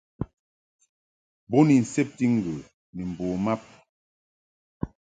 Bo ni nsebti ŋgə ni mbo mab.